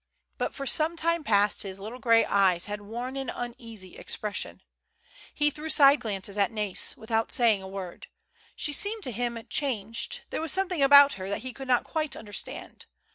But for some time past his little gray eyes DISCOVERED. 133 had worn an uneasy expression. He threw side glances at Nais, without saying a word. She seemed to him changed, there was something about her that he could not quite understand.